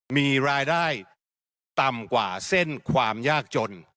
มีรายได้ไม่ต่ำกว่าเส้นความยากจน